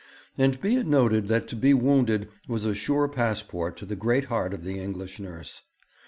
And be it noted that to be wounded was a sure passport to the great heart of the English nurse.